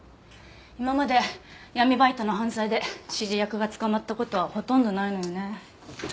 今まで闇バイトの犯罪で指示役が捕まった事はほとんどないのよね。